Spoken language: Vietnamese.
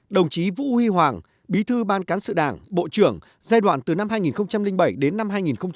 đồng chí vũ huy hoàng bí thư ban cán sự đảng bộ trưởng giai đoạn từ năm hai nghìn bảy đến năm hai nghìn một mươi